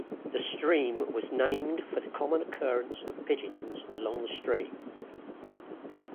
The stream was named for the common occurrence of pigeons along the stream.